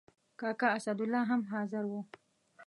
کاکا اسدالله هم حاضر و.